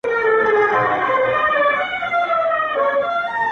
• نن مي له زلمیو په دې خپلو غوږو واورېده,